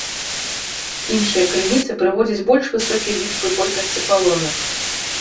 Іншыя крыніцы прыводзяць больш высокія лічбы колькасці палонных.